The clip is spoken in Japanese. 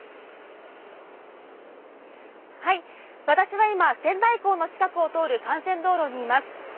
私は今、仙台港の近くを通る幹線道路にいます。